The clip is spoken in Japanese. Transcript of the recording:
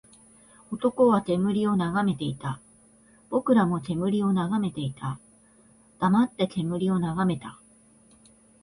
男は煙を眺めていた。僕らも煙を眺めた。黙って煙を眺めた。